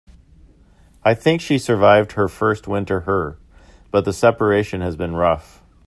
I think she survived her first winter her, but the separation has been rough.